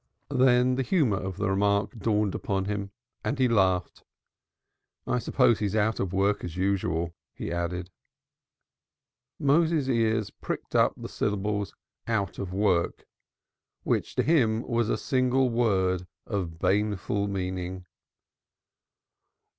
Then the humor of the remark dawned upon him and he laughed. "I suppose he's out of work, as usual," he added. Moses's ears pricked up at the syllables "out of work," which to him was a single word of baneful meaning.